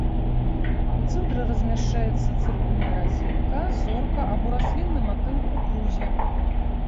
У цэнтры размяшчаецца цыркульная разетка, зорка або раслінны матыў у крузе.